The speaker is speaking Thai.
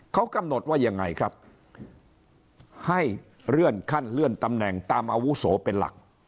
เขากำหนดว่ายังไงครับให้เลื่อนขั้นเลื่อนตำแหน่งตามอาวุโสเป็นหลัก